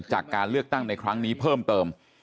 จากการเลือกตั้งในครั้งนี้เพิ่มเติม